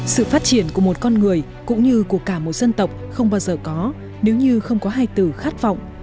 sự phát triển của một con người cũng như của cả một dân tộc không bao giờ có nếu như không có hai từ khát vọng